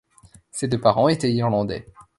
Ses deux parents étaient irlandais.